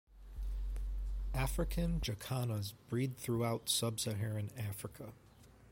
African jacanas breed throughout sub-Saharan Africa.